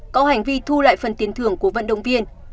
có hành vi thu lại phần tiền thưởng của vận động viên